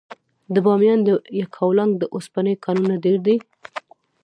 د بامیان د یکاولنګ د اوسپنې کانونه ډیر دي.